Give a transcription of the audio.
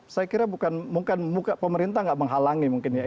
saya kira bukan pemerintah nggak menghalangi mungkin ya